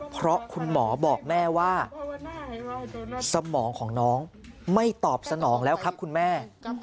เพราะคุณหมอบอกแม่ว่าสมองของน้องไม่ตอบสนองแล้วครับคุณแม่